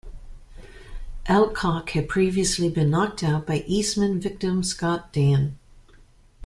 Elcock had previously been knocked out by Eastman-victim Scott Dann.